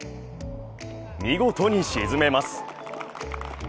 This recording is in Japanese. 見事に沈めます。